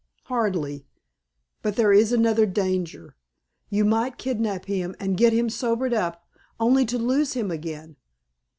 "Hardly. But there is another danger. You might kidnap him and get him sobered up, only to lose him again.